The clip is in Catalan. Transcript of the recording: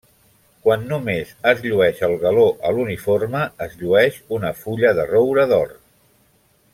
Quan només es llueix el galó a l'uniforme es llueix una fulla de roure d'or.